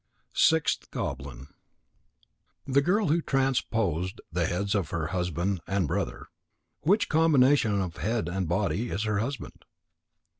SIXTH GOBLIN _The Girl who transposed the Heads of her Husband and Brother. Which combination of head and body is her husband?